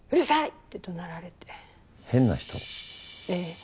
ええ。